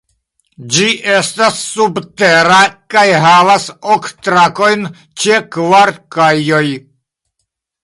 Ĝi estas subtera kaj havas ok trakojn ĉe kvar kajoj.